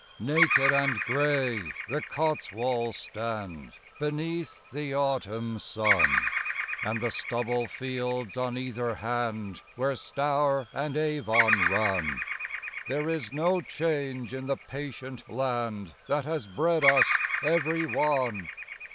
Naked and grey the Cotswolds stand Before Beneath the autumn sun, Edgehill And the stubble fields on either hand October Where Stour and Avon run, 1642. There is no change in the patient land That has bred us every one.